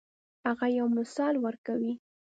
هغه یو مثال ورکوي.